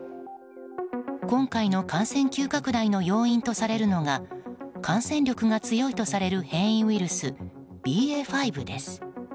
今回の感染急拡大の要因とされるのが感染力が強いとされる変異ウイルスＢＡ．５です。